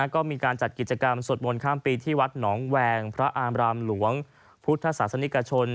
ก็มีการจัดกิจกรรมสวดมนต์ข้ามปีที่วัดหนองแวงพระอามรามหลวงพุทธศาสนิกชน